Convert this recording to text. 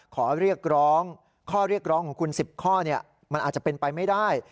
ขอเรียกร้องข้อเรียกร้องของคุณ๑๐ข้อมันอาจจะเป็นไปไม่ได้